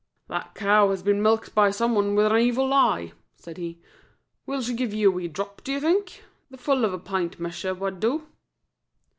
"That cow has been milked by someone with an evil eye," said he. "Will she give you a wee drop, do you think? The full of a pint measure wad do."